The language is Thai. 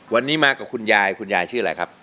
วันนี้มากับคุณยายคุณยายชื่ออะไรครับ